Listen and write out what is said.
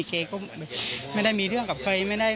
แกก็ไม่ได้มีเรื่องกับใคร